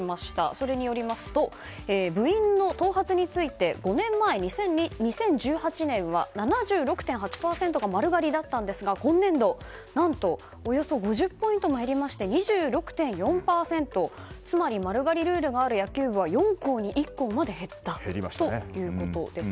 それによりますと部員の頭髪について５年前、２０１８年は７６．８％が丸刈りだったんですが今年度、何とおよそ５０ポイントも減りまして２６．４％、つまり丸刈りルールがある野球部は４校に１校まで減ったということです。